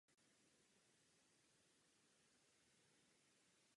Přezimují vajíčka na větvích.